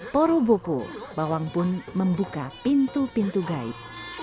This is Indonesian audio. poro bopo bawang pun membuka pintu pintu gaib